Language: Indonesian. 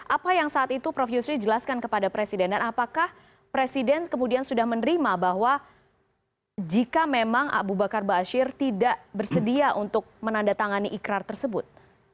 apa yang saat itu prof yusri jelaskan kepada presiden dan apakah presiden kemudian sudah menerima bahwa jika memang abu bakar ⁇ asyir ⁇ tidak bersedia untuk menandatangani ikrar tersebut